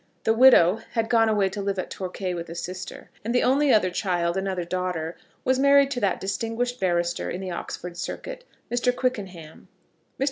The widow had gone away to live at Torquay with a sister, and the only other child, another daughter, was married to that distinguished barrister on the Oxford circuit, Mr. Quickenham. Mr.